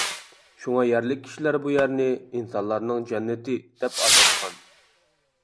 شۇڭا يەرلىك كىشىلەر بۇ يەرنى «ئىنسانلارنىڭ جەننىتى» دەپ ئاتاشقان.